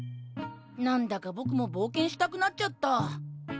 何だか僕も冒険したくなっちゃった。